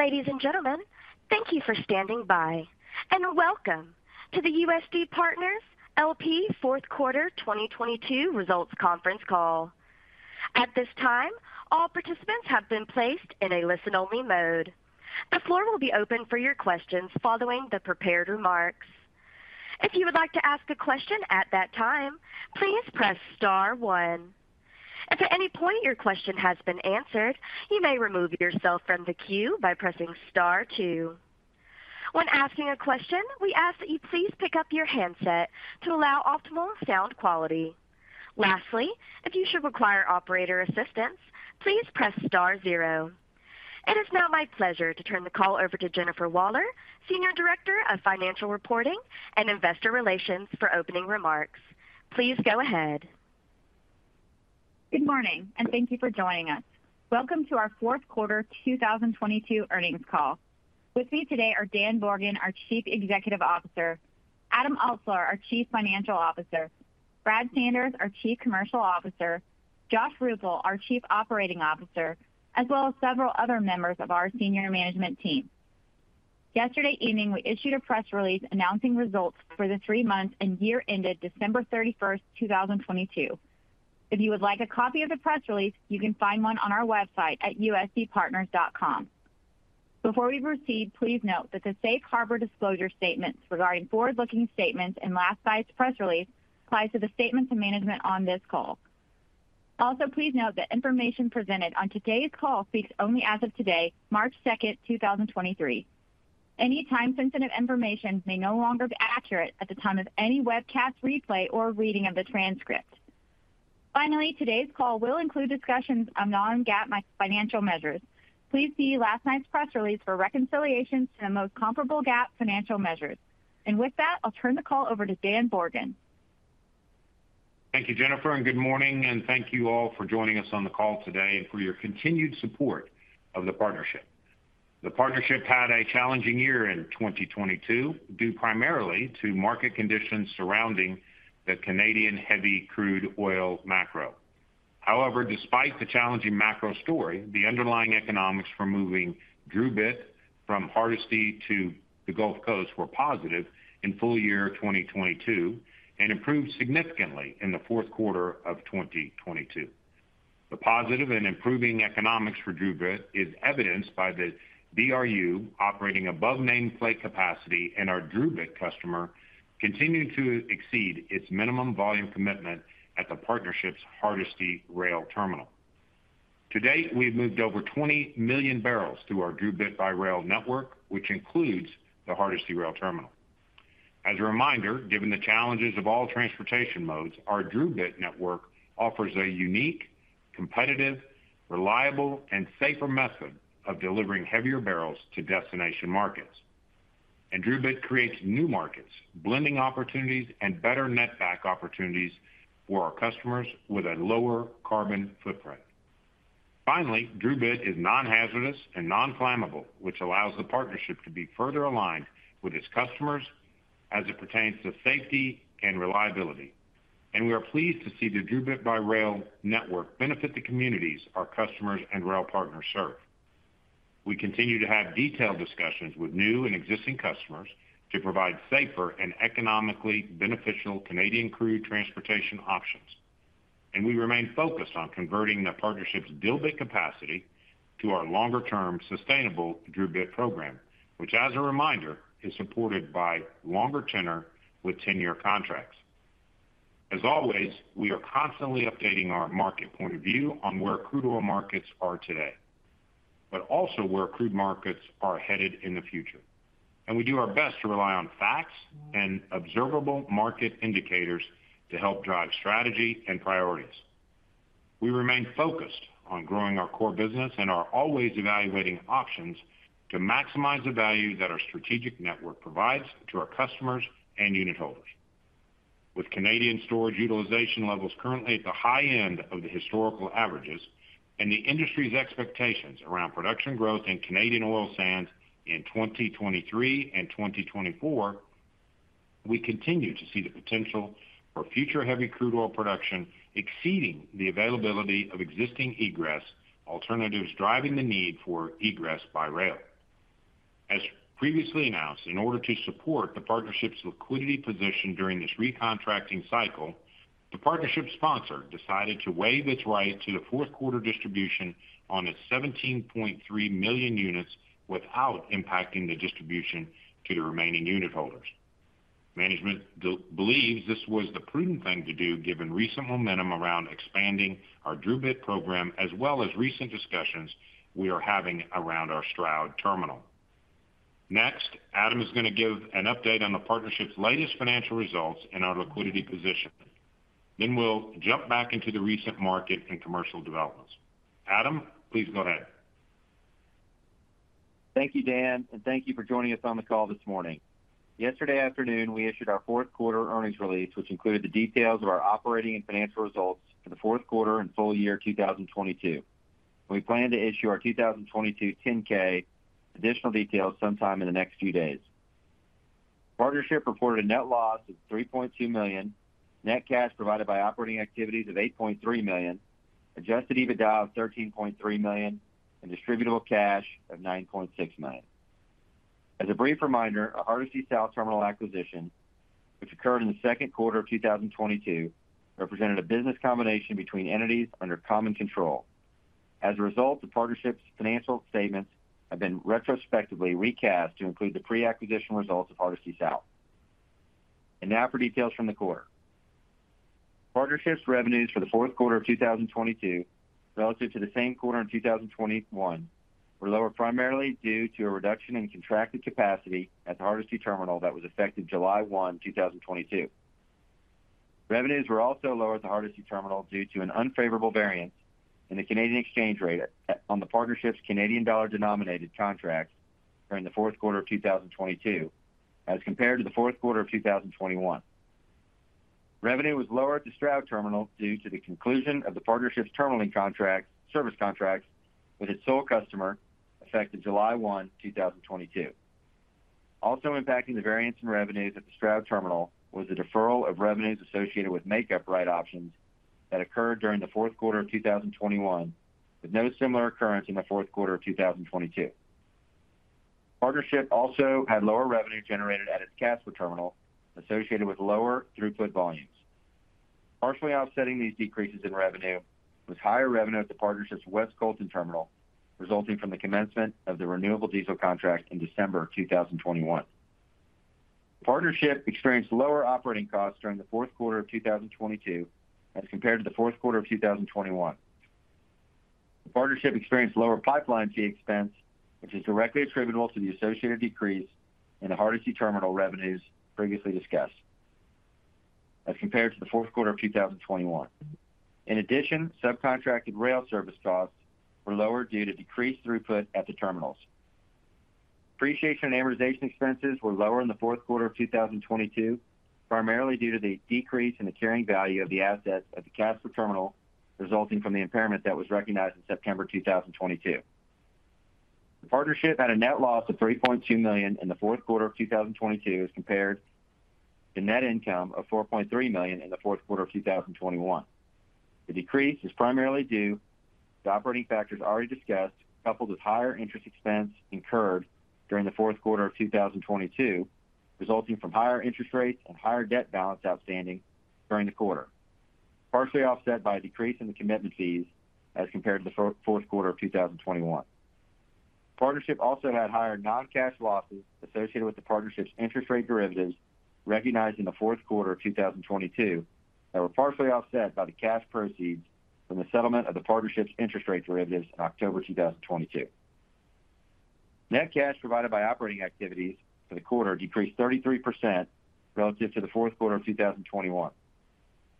Ladies and gentlemen, thank you for standing by, and welcome to the USD Partners LP fourth quarter 2022 results conference call. At this time, all participants have been placed in a listen-only mode. The floor will be open for your questions following the prepared remarks. If you would like to ask a question at that time, please press star one. If at any point your question has been answered, you may remove yourself from the queue by pressing star two. When asking a question, we ask that you please pick up your handset to allow optimal sound quality. Lastly, if you should require operator assistance, please press star zero. It is now my pleasure to turn the call over to Jennifer Waller, Senior Director of Financial Reporting and Investor Relations, for opening remarks. Please go ahead. Good morning, and thank you for joining us. Welcome to our fourth quarter 2022 earnings call. With me today are Dan Borgen, our Chief Executive Officer, Adam Altsuler, our Chief Financial Officer, Brad Sanders, our Chief Commercial Officer, Josh Ruple, our Chief Operating Officer, as well as several other members of our senior management team. Yesterday evening, we issued a press release announcing results for the three months and year ended December 31st, 2022. If you would like a copy of the press release, you can find one on our website at usdpartners.com. Before we proceed, please note that the safe harbor disclosure statements regarding forward-looking statements in last night's press release applies to the statements of management on this call. Also, please note that information presented on today's call speaks only as of today, March 2nd, 2023. Any time-sensitive information may no longer be accurate at the time of any webcast replay or reading of the transcript. Finally, today's call will include discussions on non-GAAP financial measures. Please see last night's press release for reconciliations to the most comparable GAAP financial measures. With that, I'll turn the call over to Dan Borgen. Thank you, Jennifer, and good morning, and thank you all for joining us on the call today and for your continued support of the partnership. The partnership had a challenging year in 2022, due primarily to market conditions surrounding the Canadian heavy crude oil macro. However, despite the challenging macro story, the underlying economics for moving DRUbit from Hardisty to the Gulf Coast were positive in full year 2022 and improved significantly in the fourth quarter of 2022. The positive and improving economics for DRUbit is evidenced by the DRU operating above nameplate capacity and our DRUbit customer continuing to exceed its minimum volume commitment at the partnership's Hardisty rail terminal. To date, we've moved over 20 million barrels through our DRUbit by Rail network, which includes the Hardisty rail terminal. As a reminder, given the challenges of all transportation modes, our DRUbit network offers a unique, competitive, reliable, and safer method of delivering heavier barrels to destination markets. DRUbit creates new markets, blending opportunities, and better netback opportunities for our customers with a lower carbon footprint. Finally, DRUbit is non-hazardous and non-flammable, which allows the partnership to be further aligned with its customers as it pertains to safety and reliability. We are pleased to see the DRUbit by Rail network benefit the communities our customers and rail partners serve. We continue to have detailed discussions with new and existing customers to provide safer and economically beneficial Canadian crude transportation options, and we remain focused on converting the partnership's dilbit capacity to our longer-term sustainable DRUbit program, which, as a reminder, is supported by longer tenor with 10-year contracts. As always, we are constantly updating our market point of view on where crude oil markets are today, but also where crude markets are headed in the future. We do our best to rely on facts and observable market indicators to help drive strategy and priorities. We remain focused on growing our core business and are always evaluating options to maximize the value that our strategic network provides to our customers and unitholders. With Canadian storage utilization levels currently at the high end of the historical averages and the industry's expectations around production growth in Canadian oil sands in 2023 and 2024, we continue to see the potential for future heavy crude oil production exceeding the availability of existing egress alternatives driving the need for egress by rail. As previously announced, in order to support the partnership's liquidity position during this recontracting cycle, the partnership sponsor decided to waive its right to the fourth quarter distribution on its 17.3 million units without impacting the distribution to the remaining unitholders. Management believes this was the prudent thing to do given recent momentum around expanding our DRUbit program as well as recent discussions we are having around our Stroud Terminal. Adam is going to give an update on the partnership's latest financial results and our liquidity position. We'll jump back into the recent market and commercial developments. Adam, please go ahead. Thank you, Dan, and thank you for joining us on the call this morning. Yesterday afternoon, we issued our fourth quarter earnings release, which included the details of our operating and financial results for the fourth quarter and full year 2022. We plan to issue our 2022 10-K additional details sometime in the next few days. Partnership reported a net loss of $3.2 million, net cash provided by operating activities of $8.3 million, Adjusted EBITDA of $13.3 million, and distributable cash of $9.6 million. As a brief reminder, our Hardisty South Terminal acquisition, which occurred in the second quarter of 2022, represented a business combination between entities under common control. As a result, the partnership's financial statements have been retrospectively recast to include the pre-acquisition results of Hardisty South. Now for details from the quarter. Partnership's revenues for the fourth quarter of 2022 relative to the same quarter in 2021 were lower primarily due to a reduction in contracted capacity at the Hardisty Terminal that was effective July 1, 2022. Revenues were also lower at the Hardisty Terminal due to an unfavorable variance in the Canadian exchange rate on the partnership's Canadian dollar-denominated contracts during the fourth quarter of 2022 as compared to the fourth quarter of 2021. Revenue was lower at the Stroud Terminal due to the conclusion of the partnership's service contracts with its sole customer, effective July 1, 2022. Also impacting the variance in revenues at the Stroud Terminal was the deferral of revenues associated with make-up right options that occurred during the fourth quarter of 2021, with no similar occurrence in the fourth quarter of 2022. Partnership also had lower revenue generated at its Casper Terminal associated with lower throughput volumes. Partially offsetting these decreases in revenue was higher revenue at the partnership's West Colton Terminal, resulting from the commencement of the renewable diesel contract in December 2021. Partnership experienced lower operating costs during the fourth quarter of 2022 as compared to the fourth quarter of 2021. The partnership experienced lower pipeline fee expense, which is directly attributable to the associated decrease in the Hardisty Terminal revenues previously discussed as compared to the fourth quarter of 2021. In addition, subcontracted rail service costs were lower due to decreased throughput at the terminals. Depreciation and amortization expenses were lower in the fourth quarter of 2022, primarily due to the decrease in the carrying value of the assets at the Casper Terminal resulting from the impairment that was recognized in September 2022. The partnership had a net loss of $3.2 million in the fourth quarter of 2022 as compared to net income of $4.3 million in the fourth quarter of 2021. The decrease is primarily due to operating factors already discussed, coupled with higher interest expense incurred during the fourth quarter of 2022, resulting from higher interest rates and higher debt balance outstanding during the quarter, partially offset by a decrease in the commitment fees as compared to the fourth quarter of 2021. Partnership also had higher non-cash losses associated with the partnership's interest rate derivatives recognized in the fourth quarter of 2022 that were partially offset by the cash proceeds from the settlement of the partnership's interest rate derivatives in October 2022. Net cash provided by operating activities for the quarter decreased 33% relative to the fourth quarter of 2021.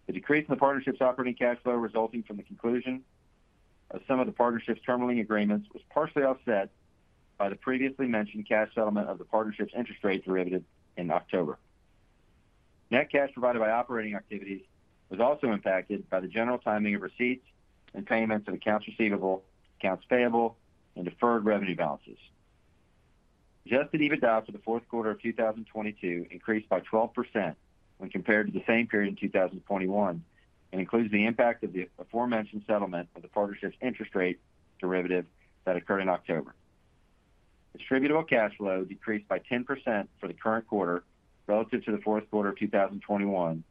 The decrease in the partnership's operating cash flow resulting from the conclusion of some of the partnership's terminaling agreements was partially offset by the previously mentioned cash settlement of the partnership's interest rate derivative in October. Net cash provided by operating activities was also impacted by the general timing of receipts and payments of accounts receivable, accounts payable, and deferred revenue balances. Adjusted EBITDA for the fourth quarter of 2022 increased by 12% when compared to the same period in 2021, and includes the impact of the aforementioned settlement of the partnership's interest rate derivative that occurred in October. Distributable cash flow decreased by 10% for the current quarter relative to the fourth quarter of 2021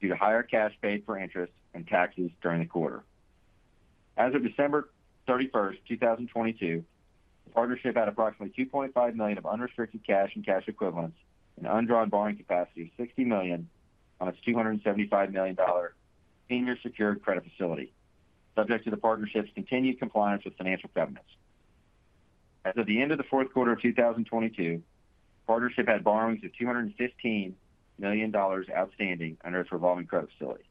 due to higher cash paid for interest and taxes during the quarter. As of December 31, 2022, the partnership had approximately $2.5 million of unrestricted cash and cash equivalents, and undrawn borrowing capacity of $60 million on its $275 million senior secured credit facility, subject to the partnership's continued compliance with financial covenants. As of the end of the fourth quarter of 2022, partnership had borrowings of $215 million outstanding under its revolving credit facility.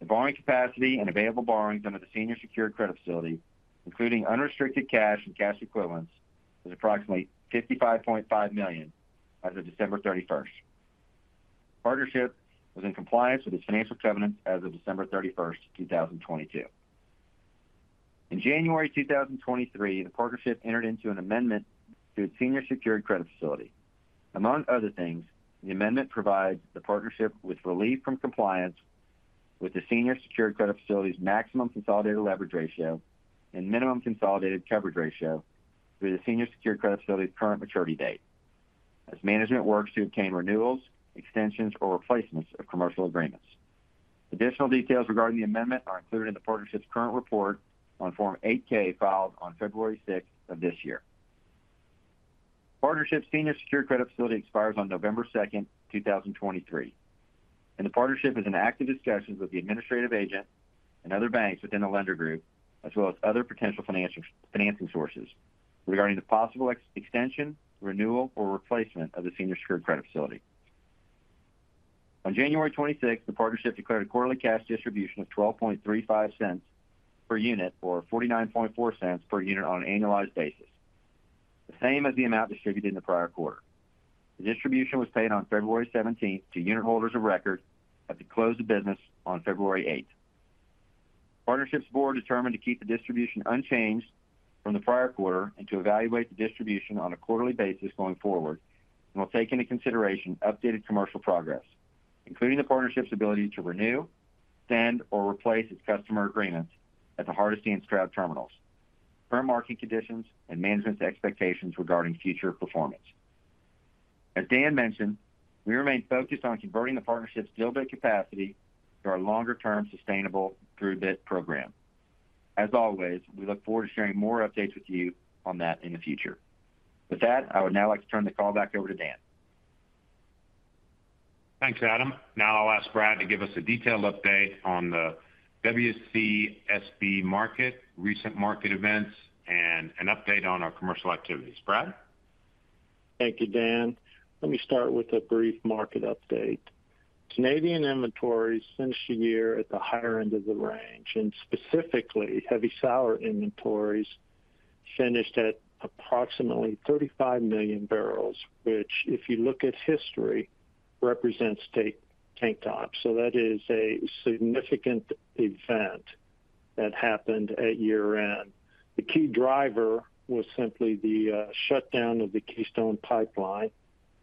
The borrowing capacity and available borrowings under the senior secured credit facility, including unrestricted cash and cash equivalents, was approximately $55.5 million as of December 31. Partnership was in compliance with its financial covenants as of December 31, 2022. In January 2023, the Partnership entered into an amendment to its senior secured credit facility. Among other things, the amendment provides the Partnership with relief from compliance with the senior secured credit facility's maximum consolidated leverage ratio and minimum consolidated coverage ratio through the senior secured credit facility's current maturity date, as management works to obtain renewals, extensions or replacements of commercial agreements. Additional details regarding the amendment are included in the Partnership's current report on Form 8-K filed on February 6 of this year. Partnership's senior secured credit facility expires on November 2nd, 2023. The partnership is in active discussions with the administrative agent and other banks within the lender group, as well as other potential financing sources regarding the possible extension, renewal, or replacement of the senior secured credit facility. On January 26, the partnership declared a quarterly cash distribution of $0.1235 per unit or $0.494 per unit on an annualized basis, the same as the amount distributed in the prior quarter. The distribution was paid on February 17th to unitholders of record at the close of business on February 8th. Partnership's board determined to keep the distribution unchanged from the prior quarter and to evaluate the distribution on a quarterly basis going forward, and will take into consideration updated commercial progress, including the partnership's ability to renew, extend, or replace its customer agreements at the Hardisty and Stroud Terminals, current market conditions, and management's expectations regarding future performance. As Dan mentioned, we remain focused on converting the partnership's DRUbit capacity to our longer-term sustainable DRUbit program. As always, we look forward to sharing more updates with you on that in the future. With that, I would now like to turn the call back over to Dan. Thanks, Adam. I'll ask Brad to give us a detailed update on the WCSB market, recent market events, and an update on our commercial activities. Brad? Thank you, Dan. Let me start with a brief market update. Canadian inventories finished the year at the higher end of the range, specifically, heavy sour inventories finished at approximately 35 million barrels, which, if you look at history, represents tank top. That is a significant event that happened at year-end. The key driver was simply the shutdown of the Keystone Pipeline,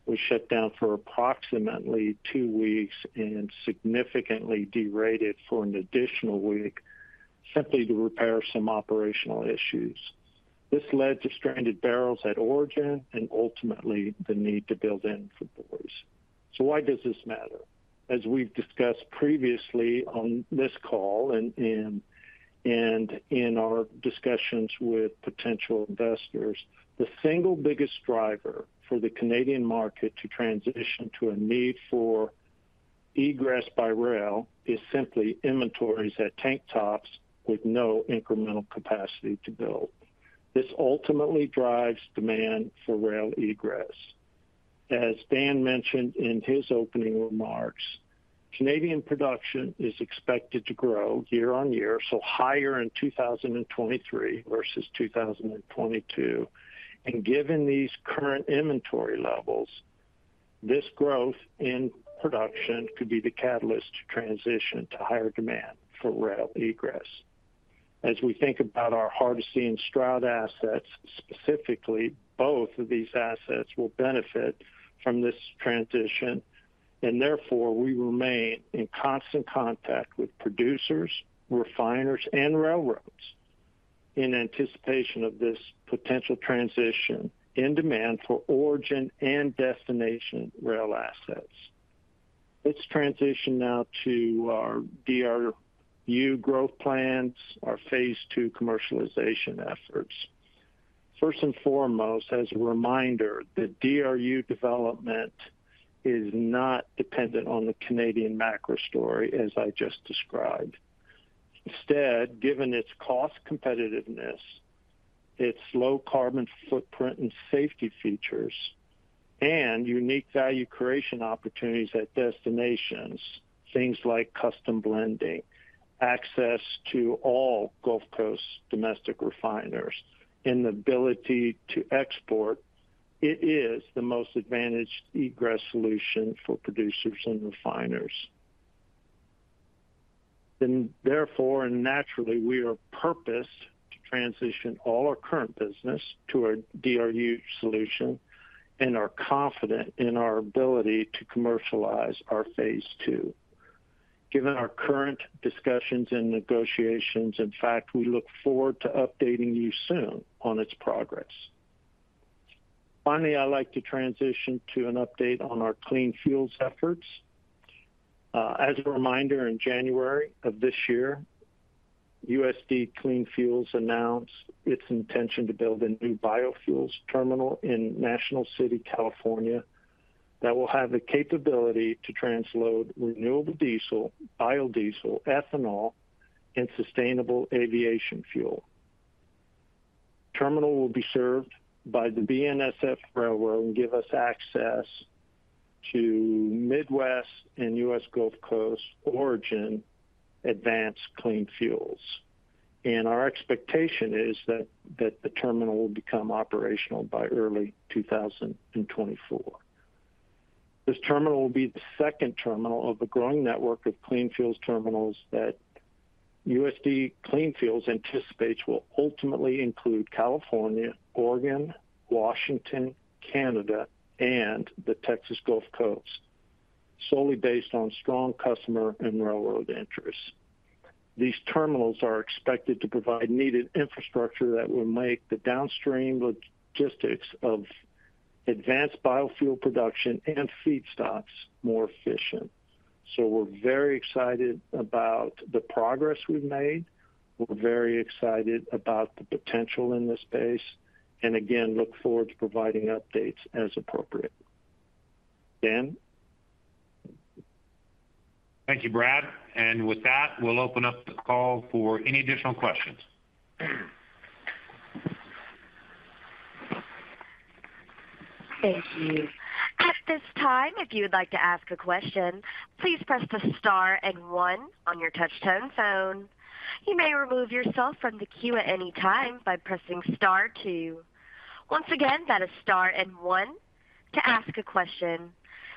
which shut down for approximately two weeks and significantly derated for an additional week, simply to repair some operational issues. This led to stranded barrels at origin and ultimately the need to build inventories. Why does this matter? As we've discussed previously on this call and in our discussions with potential investors, the single biggest driver for the Canadian market to transition to a need for egress by rail is simply inventories at tank tops with no incremental capacity to build. This ultimately drives demand for rail egress. As Dan mentioned in his opening remarks, Canadian production is expected to grow year-on-year, higher in 2023 versus 2022. Given these current inventory levels, this growth in production could be the catalyst to transition to higher demand for rail egress. As we think about our Hardisty and Stroud assets, specifically, both of these assets will benefit from this transition, therefore we remain in constant contact with producers, refiners, and railroads in anticipation of this potential transition in demand for origin and destination rail assets. Let's transition now to our DRU growth plans, our phase two commercialization efforts. First and foremost, as a reminder, the DRU development is not dependent on the Canadian macro story as I just described. Instead, given its cost competitiveness, its low carbon footprint and safety features, and unique value creation opportunities at destinations, things like custom blending, access to all Gulf Coast domestic refiners, and the ability to export, it is the most advantaged egress solution for producers and refiners. Therefore, and naturally, we are purposed to transition all our current business to a DRU solution and are confident in our ability to commercialize our phase two. Given our current discussions and negotiations, in fact, we look forward to updating you soon on its progress. Finally, I'd like to transition to an update on our clean fuels efforts. As a reminder, in January of this year, USD Clean Fuels announced its intention to build a new biofuels terminal in National City, California, that will have the capability to transload renewable diesel, biodiesel, ethanol, and sustainable aviation fuel. Terminal will be served by the BNSF Railroad and give us access to Midwest and US Gulf Coast origin advanced clean fuels. Our expectation is that the terminal will become operational by early 2024. This terminal will be the second terminal of a growing network of clean fuels terminals that USD Clean Fuels anticipates will ultimately include California, Oregon, Washington, Canada, and the Texas Gulf Coast, solely based on strong customer and railroad interests. These terminals are expected to provide needed infrastructure that will make the downstream logistics of advanced biofuel production and feedstocks more efficient. We're very excited about the progress we've made. We're very excited about the potential in this space, and again, look forward to providing updates as appropriate. Dan? Thank you, Brad. With that, we'll open up the call for any additional questions. Thank you. At this time, if you would like to ask a question, please press the star and one on your touch-tone phone. You may remove yourself from the queue at any time by pressing star two. Once again, that is star and one to ask a question.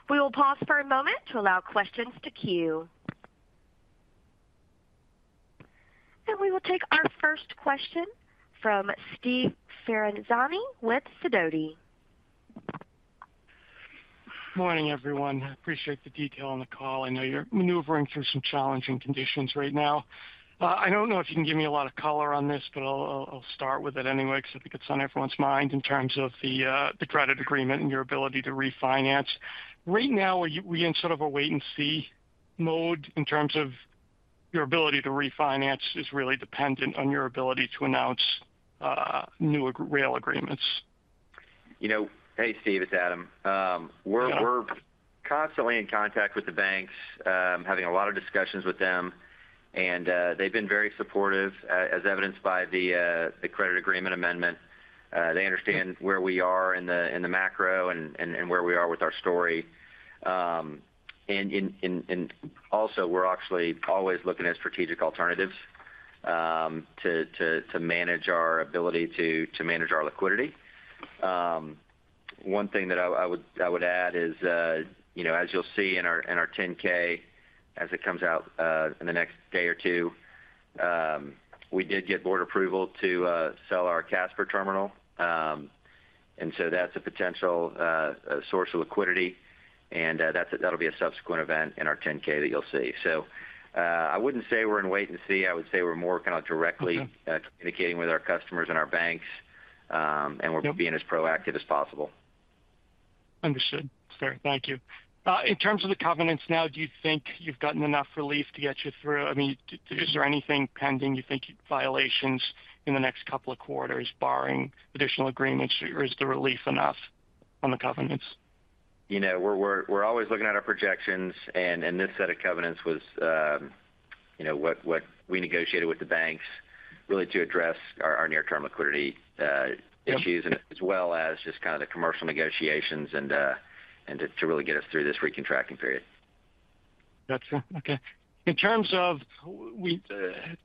We will pause for a moment to allow questions to queue. We will take our first question from Steve Ferazani with Sidoti. Morning, everyone. Appreciate the detail on the call. I know you're maneuvering through some challenging conditions right now. I don't know if you can give me a lot of color on this, but I'll start with it anyway 'cause I think it's on everyone's mind in terms of the credit agreement and your ability to refinance. Right now, are we in sort of a wait and see mode in terms of your ability to refinance is really dependent on your ability to announce new rail agreements? You know, Hey, Steve, it's Adam. Yeah... we're constantly in contact with the banks, having a lot of discussions with them, and they've been very supportive as evidenced by the credit agreement amendment. They understand where we are in the, in the macro and where we are with our story. Also, we're actually always looking at strategic alternatives to manage our ability to manage our liquidity. One thing that I would add is, you know, as you'll see in our, in our 10-K as it comes out in the next day or two, we did get board approval to sell our Casper terminal. So that's a potential source of liquidity, and that'll be a subsequent event in our 10-K that you'll see. I wouldn't say we're in wait and see. I would say we're more kind of. Okay... communicating with our customers and our banks. Yep being as proactive as possible. Understood. Fair. Thank you. In terms of the covenants now, do you think you've gotten enough relief to get you through? I mean, is there anything pending you think violations in the next couple of quarters barring additional agreements, or is the relief enough on the covenants? You know, we're always looking at our projections and this set of covenants was, you know, what we negotiated with the banks really to address our near term liquidity issues and as well as just kind of the commercial negotiations and to really get us through this recontracting period. Gotcha. Okay. In terms of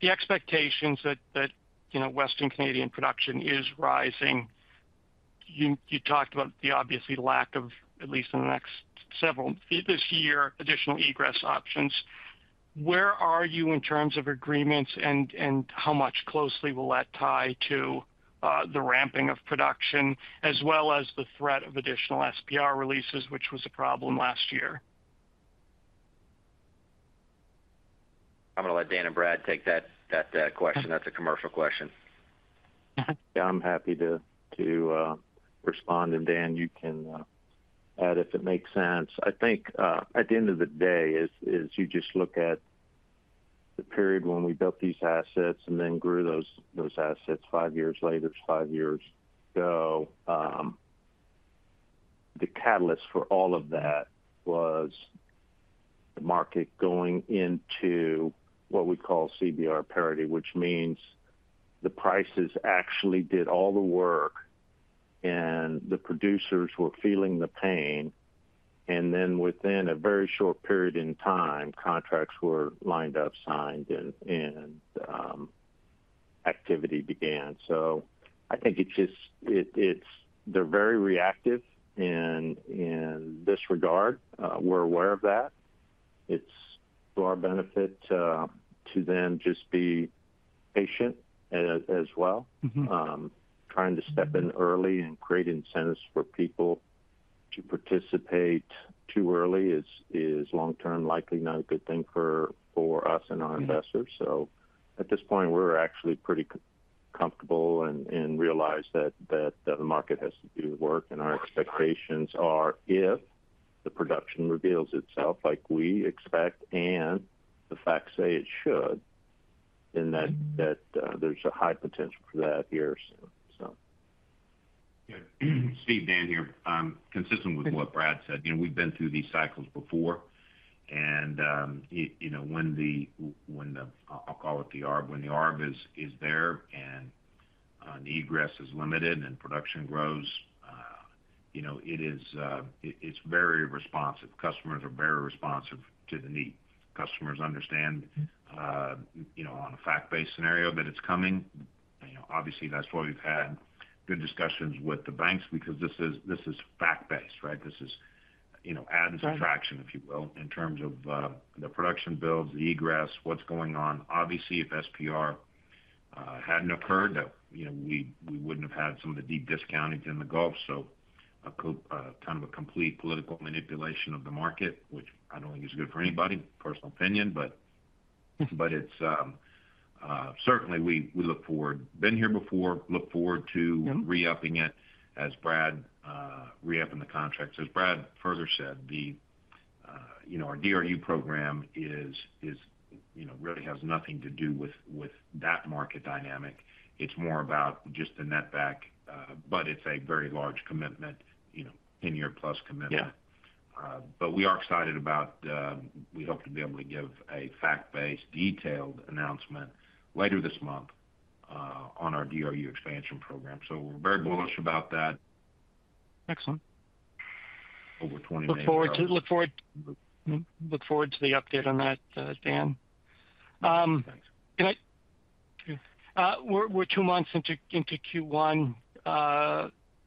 the expectations that, you know, Western Canadian production is rising, you talked about the obviously lack of at least in the next several this year, additional egress options. Where are you in terms of agreements and how much closely will that tie to the ramping of production as well as the threat of additional SPR releases, which was a problem last year? I'm gonna let Dan and Brad take that question. That's a commercial question. Okay. I'm happy to respond. Dan, you can add if it makes sense. I think at the end of the day is you just look at the period when we built these assets and then grew those assets five years later. Five years ago, the catalyst for all of that was the market going into what we call CBR parity, which means the prices actually did all the work, and the producers were feeling the pain. Within a very short period in time, contracts were lined up, signed, and activity began. I think it's just they're very reactive in this regard. We're aware of that. It's to our benefit, to then just be patient as well. Mm-hmm. Trying to step in early and create incentives for people to participate too early is long term likely not a good thing for us and our investors. Mm-hmm. At this point, we're actually pretty comfortable and realize that the market has to do the work. Our expectations are if the production reveals itself like we expect and the facts say it should.... that, there's a high potential for that here. Yeah. Steve, Dan here. consistent with what Brad said, you know, we've been through these cycles before, and you know, I'll call it the arb. When the arb is there and egress is limited and production grows, you know, it is, it's very responsive. Customers are very responsive to the need. Customers understand, you know, on a fact-based scenario that it's coming. You know, obviously that's why we've had good discussions with the banks because this is, this is fact-based, right? This is, you know, add and subtraction- Right if you will, in terms of the production builds, the egress, what's going on. Obviously, if SPR hadn't occurred, you know, we wouldn't have had some of the deep discountings in the Gulf. A kind of a complete political manipulation of the market, which I don't think is good for anybody, personal opinion. Mm-hmm... but it's, certainly we look forward. Been here before, look forward. Yeah re-upping it as Brad re-upping the contract. As Brad further said, the, you know, our DRU program is, you know, really has nothing to do with that market dynamic. It's more about just the netback, but it's a very large commitment, you know, in year plus commitment. Yeah. We are excited about, we hope to be able to give a fact-based, detailed announcement later this month, on our DRU expansion program. We're very bullish about that. Excellent. Over 20 million barrels. Look forward to the update on that, Dan. Thanks. Okay. We're two months into Q1.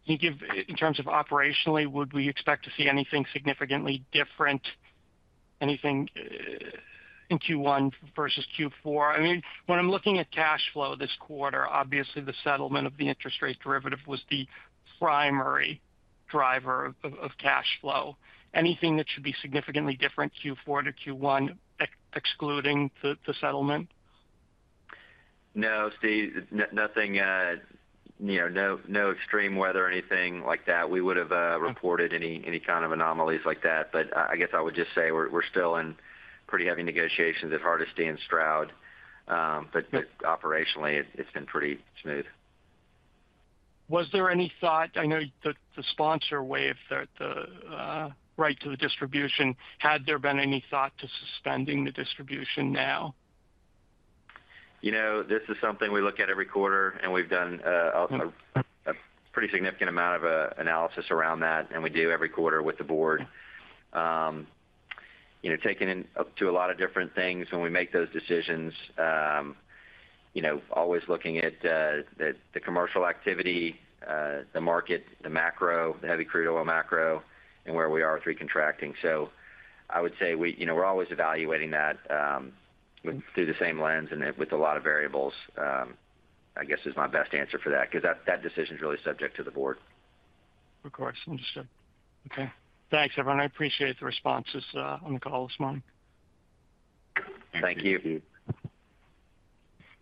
In terms of operationally, would we expect to see anything significantly different, anything in Q1 versus Q4? I mean, when I'm looking at cash flow this quarter, obviously the settlement of the interest rate derivative was the primary driver of cash flow. Anything that should be significantly different Q4 to Q1 excluding the settlement? No, Steve. Nothing, you know, no extreme weather or anything like that. We would have reported any kind of anomalies like that. I guess I would just say we're still in pretty heavy negotiations at Hardisty and Stroud. But operationally it's been pretty smooth. I know the sponsor waived the right to the distribution. Had there been any thought to suspending the distribution now? You know, this is something we look at every quarter. We've done a pretty significant amount of analysis around that, and we do every quarter with the board. You know, taking in up to a lot of different things when we make those decisions, you know, always looking at the commercial activity, the market, the macro, the heavy crude oil macro, and where we are with recontracting. I would say we, you know, we're always evaluating that through the same lens and with a lot of variables. I guess is my best answer for that because that decision is really subject to the board. Of course. Understood. Okay. Thanks, everyone. I appreciate the responses, on the call this morning. Thank you.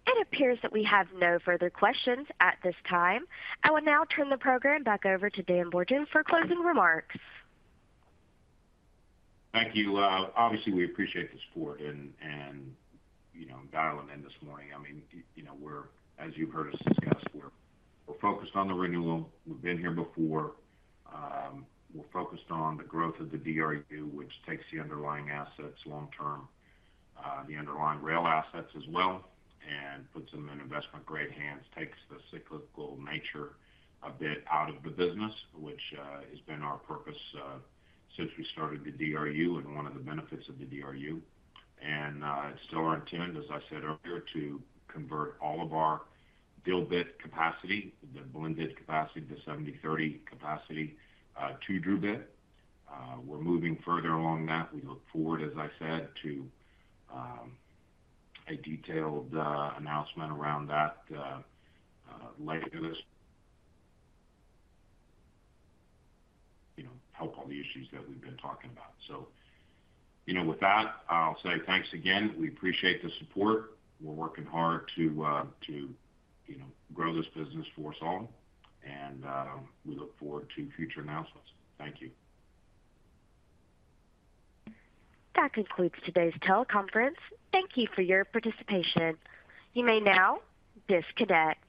It appears that we have no further questions at this time. I will now turn the program back over to Dan Borgen for closing remarks. Thank you. Obviously, we appreciate the support and, you know, dialing in this morning. As you've heard us discuss, we're focused on the renewal. We've been here before. We're focused on the growth of the DRU, which takes the underlying assets long term, the underlying rail assets as well, and puts them in investment grade hands, takes the cyclical nature a bit out of the business, which has been our purpose since we started the DRU and one of the benefits of the DRU. It's still our intent, as I said earlier, to convert all of our dilbit capacity, the blended capacity to 70/30 capacity, to DRUbit. We're moving further along that. We look forward, as I said, to a detailed announcement around that later this... you know, help all the issues that we've been talking about. You know, with that, I'll say thanks again. We appreciate the support. We're working hard to, you know, grow this business for us all, and we look forward to future announcements. Thank you. That concludes today's teleconference. Thank you for your participation. You may now disconnect.